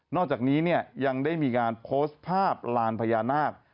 อกจากนี้เนี่ยยังได้มีการโพสต์ภาพลานพญานาค